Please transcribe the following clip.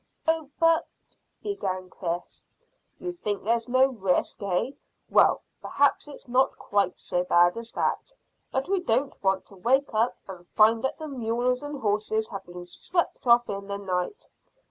"Oh, but " began Chris. "You think there's no risk, eh? Well, perhaps it's not quite so bad as that, but we don't want to wake up and find that the mules and horses have been swept off in the night.